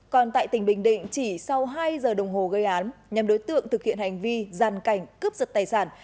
còn tại tỉnh bình định chỉ sau hai giờ đồng hồ gây án nhằm đối tượng thực hiện hành vi gian cảnh cướp giật tài sản